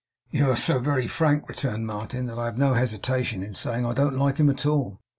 'You are so very frank,' returned Martin, 'that I have no hesitation in saying I don't like him at all.